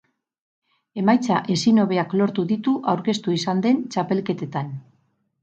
Emaitza ezin hobeak lortu ditu aurkeztu izan den txapelketetan.